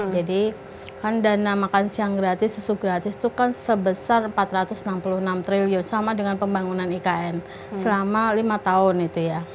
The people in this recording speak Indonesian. jadi kan dana makan siang gratis susu gratis itu kan sebesar empat ratus enam puluh enam triliun sama dengan pembangunan ikn selama lima tahun itu ya